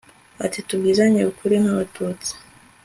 ati tubwizanye ukuri nk'abatutsi